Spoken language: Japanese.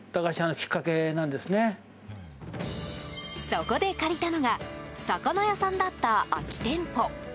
そこで借りたのが魚屋さんだった空き店舗。